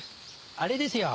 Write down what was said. あれですよ